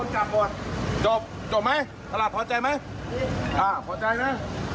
คุณเป็นผู้กองเบิร์ดน่ะ